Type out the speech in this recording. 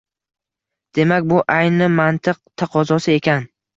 Demak, bu ayni mantiq taqozosi ekan.